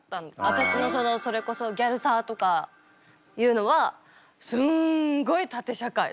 私のそれこそギャルサーとかいうのはすんごい縦社会だったから。